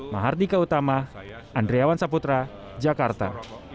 mahardika utama andriawan saputra jakarta